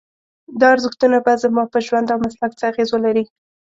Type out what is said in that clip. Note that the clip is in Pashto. دا ارزښتونه به زما په ژوند او مسلک څه اغېز ولري؟